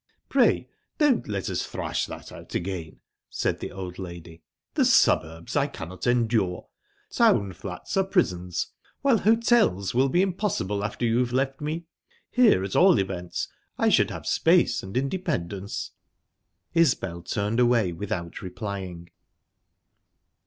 "Pray don't let us thrash that out again," said the old lady. "The suburbs I cannot endure, town flats are prisons, while hotels will be impossible after you've left me. Here, at all events, I should have space and independence." Isbel turned away without replying.